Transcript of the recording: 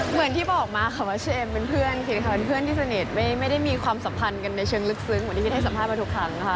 เหมือนที่บอกมาค่ะว่าเชมเป็นเพื่อนเคค่ะเป็นเพื่อนที่สนิทไม่ได้มีความสัมพันธ์กันในเชิงลึกซึ้งเหมือนที่มินให้สัมภาษณ์มาทุกครั้งค่ะ